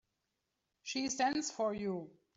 She sends for you.